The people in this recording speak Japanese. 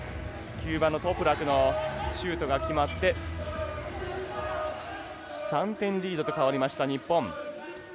９番のトプラクのシュートが決まって３点リードと変わりました日本。